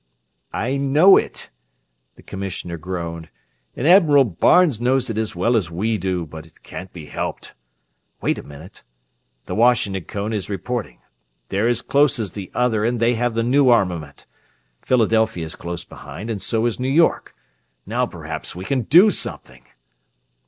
"I know it," the commissioner groaned, "and Admiral Barnes knows it as well as we do, but it can't be helped wait a minute! The Washington cone is reporting. They're as close as the other, and they have the new armament. Philadelphia is close behind, and so is New York. Now perhaps we can do something!"